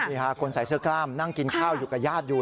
นี่ค่ะคนใส่เสื้อกล้ามนั่งกินข้าวอยู่กับญาติอยู่